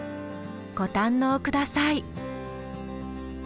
ご堪能下さい。